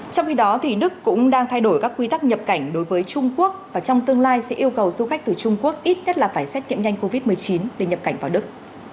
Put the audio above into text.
trong khi đó đức cũng đang thay đổi các quy tắc nhập cảnh đối với trung quốc và trong tương lai sẽ yêu cầu du khách từ trung quốc ít nhất là phải xét nghiệm nhanh covid một mươi chín để nhập cảnh vào đức